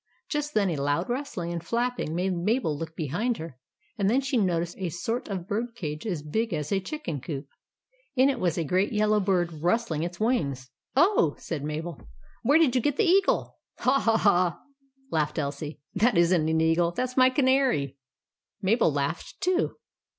Just then a loud rustling and flapping made Mabel look behind her, and then she noticed a sort of bird cage as big as a chicken coop. In it was a great yellow bird rustling its wings. " Oh !" said Mabel, " where did you get the eagle ?"" Ha, ha, ha !" laughed Elsie ;" that is n't an eagle ; that 's my canary." Mabel laughed too.